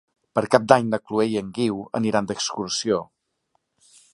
Per Cap d'Any na Chloé i en Guiu aniran d'excursió.